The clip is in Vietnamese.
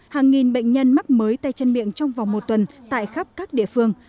hàng nghìn bệnh nhân mắc mới tay chân miệng trong vòng một tuần tại khắp các địa phương